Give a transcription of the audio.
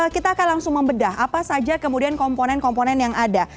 kita akan langsung membedah apa saja kemudian komponen komponen yang ada